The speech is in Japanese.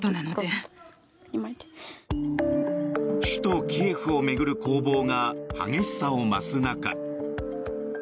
首都キエフを巡る攻防が激しさを増す中